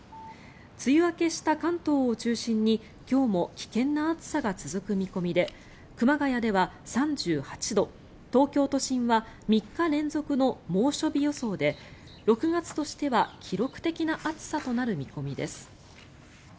梅雨明けした関東を中心に今日も危険な暑さが続く見込みで熊谷では３８度、東京都心は３日連続の猛暑日予想で６月としては記録的な暑さとなる見込みです。